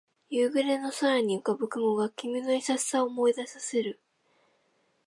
夕暮れの空に浮かぶ雲が君の優しさを思い出させる